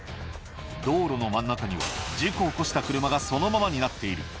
道路の真ん中には、事故を起こした車がそのままになっている。